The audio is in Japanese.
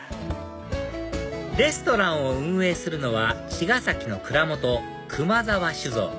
レストランを運営するのは茅ヶ崎の蔵元熊澤酒造